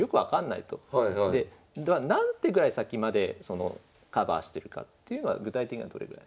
では何手ぐらい先までカバーしてるかっていうのは具体的にはどれぐらい？